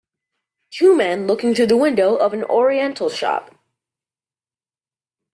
Two men looking through the window of an Oriental shop.